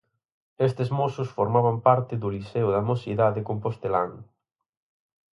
Estes mozos formaban parte do Liceo da Mocidade compostelán.